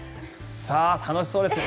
さあ、楽しそうですね。